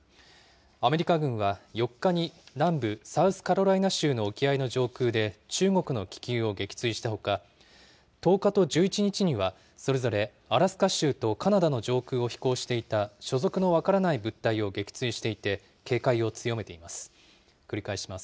アメリカ軍は、４日に、南部サウスカロライナ州の沖合の上空で中国の気球を撃墜したほか、１０日と１１日には、それぞれアラスカ州とカナダの上空を飛行していた所属の分からない物体を撃墜していて、警戒を強めています。